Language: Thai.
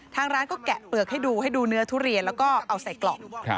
ทางร้านก็แกะเปลือกให้ดูให้ดูเนื้อทุเรียนแล้วก็เอาใส่กล่อง